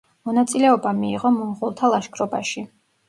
მონაწილეობა მიიღო მონღოლთა ლაშქრობაში.